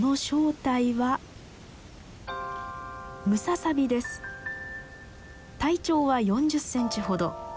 体長は４０センチほど。